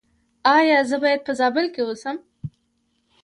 ایا زه باید په زابل کې اوسم؟